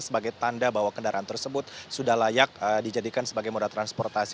sebagai tanda bahwa kendaraan tersebut sudah layak dijadikan sebagai moda transportasi